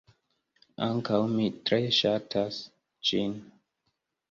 Ankaŭ mi tre ŝatas ĝin.